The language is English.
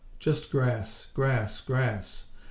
_ Just grass, grass, grass!